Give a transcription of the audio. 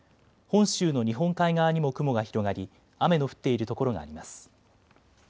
本州の日本海側にも雲が広がり雨の降っている所があります。